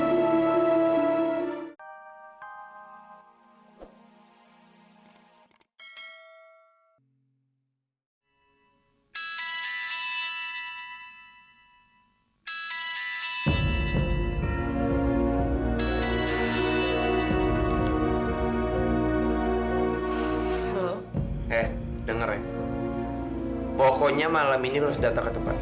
saking takutnya makanya ini pun udah dimatikan